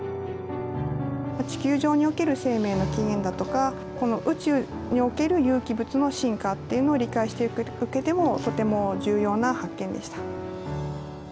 地球上における生命の起源だとか宇宙における有機物の進化というのを理解していく上でもとても重要な発見でした。